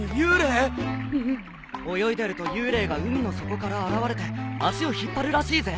泳いでると幽霊が海の底から現れて足を引っ張るらしいぜ